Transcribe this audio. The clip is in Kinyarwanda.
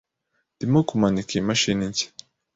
Ndimo kumanika iyi mashini nshya.